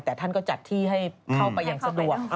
แต่ท่านก็จัดที่ให้เข้าไปอย่างสะดวก